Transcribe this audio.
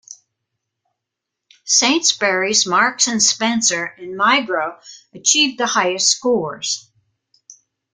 Sainsburys, Marks and Spencer and Migro achieved the highest scores.